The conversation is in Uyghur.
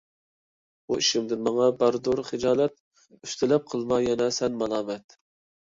بۇ ئىشىمدىن ماڭا باردۇر خىجالەت، ئۈستىلەپ قىلما يەنە سەن مالامەت.